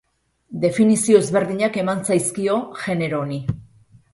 Definizio ezberdinak eman zaizkio genero honi.